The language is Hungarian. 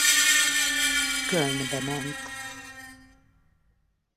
Kölnbe ment.